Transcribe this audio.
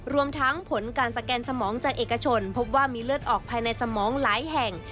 รวมทั้งผลการสแกนสมองจากเอกชนพบว่ามีเลือดออกภายในสมองหลายแห่ง